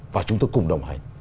và chúng tôi cùng đồng hành